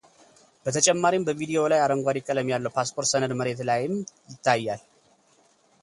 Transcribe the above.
በተጨማሪም በቪዲዮው ላይ አረንጓዴ ቀለም ያለው ፓስፖርት ሰነድ መሬት ላይም ይታያል።